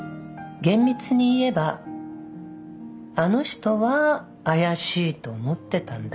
厳密に言えばあの人は怪しいと思ってたんだけど。